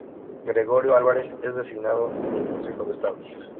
Gregorio Álvarez, es designado en el Consejo de Estado.